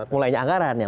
mulainya anggaran ya